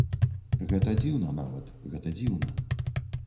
Гэта дзіўна нават, гэта дзіўна.